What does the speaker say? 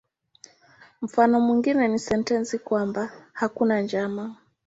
Mfano mwingine ni sentensi kwamba "hakuna njama".